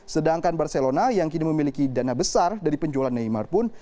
sedangkan barcelona yang kini memiliki dana besar dari penjualan neymar pun